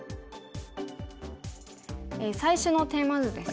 最初のテーマ図ですね。